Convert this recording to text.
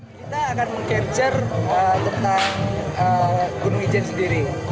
kita akan mencapture tentang gunung ijen sendiri